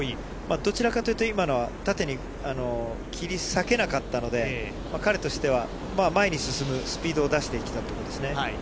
どちらかというと今のは縦に切り裂けなかったので、彼としては前に進むスピードを出してきたということですね。